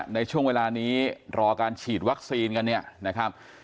ในช่วงเวลานี้รอการฉีดวัคซีนกันเนี่ยนะครับ